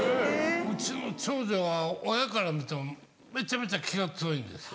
うちの長女は親から見てもめちゃめちゃ気が強いんですよ。